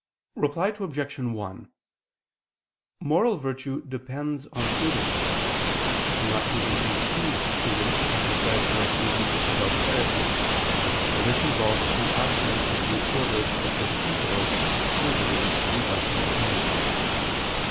Reply Obj. 1: Moral virtue depends on prudence: and not even infused prudence has the character of prudence without charity; for this involves the absence of due order to the first principle, viz. the ultimate end.